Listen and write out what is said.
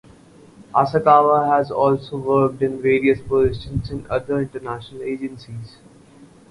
Asakawa has also worked in various positions in other international agencies.